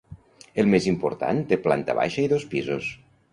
El més important té planta baixa i dos pisos.